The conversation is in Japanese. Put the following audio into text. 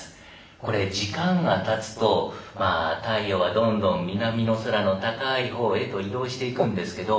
これ時間がたつとまあ太陽はどんどん南の空の高い方へと移動していくんですけど。